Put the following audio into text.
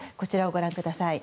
ご覧ください。